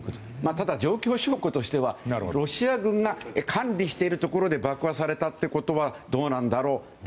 ただ、状況証拠としてはロシア軍が管理しているところで爆破されたということはどうなんだろうって。